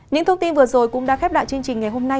những thông tin vừa rồi cũng đã khép lại chương trình ngày hôm nay